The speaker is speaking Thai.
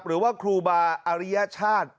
หรือว่าครูบาอริยชาติ